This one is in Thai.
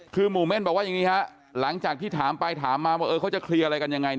คือหมู่เม่นบอกว่าอย่างนี้ฮะหลังจากที่ถามไปถามมาว่าเขาจะเคลียร์อะไรกันยังไง